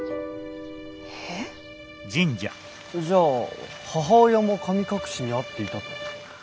えっ？じゃあ母親も神隠しにあっていたと？